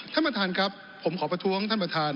ท่านประธานครับผมขอประท้วงท่านประธาน